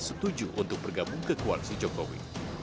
setuju untuk bergabung ke koalisi jokowi